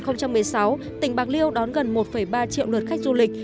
năm hai nghìn một mươi sáu tỉnh bạc liêu đón gần một ba triệu lượt khách du lịch